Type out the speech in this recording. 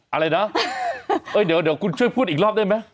อะไรนะเดี๋ยวคุณช่วยพูดอีกรอบได้ไหม